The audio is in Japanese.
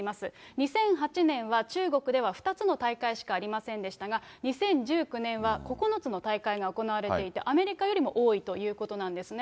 ２００８年は、中国では２つの大会しかありませんでしたが、２０１９年は９つの大会が行われていて、アメリカよりも多いということなんですね。